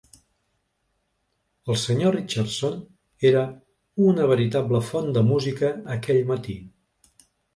El senyor Richardson era una veritable font de música aquell matí.